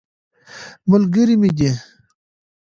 ملګری مې دی.